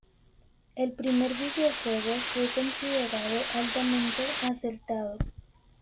El primer videojuego fue considerado altamente acertado.